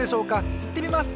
いってみます！